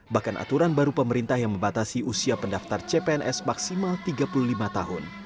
bahkan aturan baru pemerintah yang membatasi usia pendaftar cpns maksimal tiga puluh lima tahun